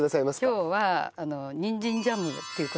今日はにんじんジャムという事で。